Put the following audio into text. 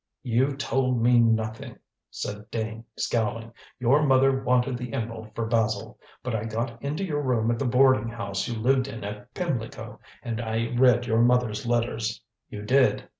"You told me nothing," said Dane, scowling. "Your mother wanted the emerald for Basil. But I got into your room at the boarding house you lived in at Pimlico, and I read your mother's letters." "You did."